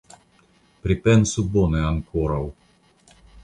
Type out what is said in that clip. Pripensu bone ankoraŭ.